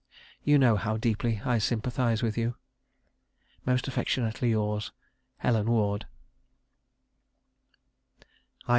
You know how deeply I sympathise with you.... "Most affectionately yours, "HELEN WARD."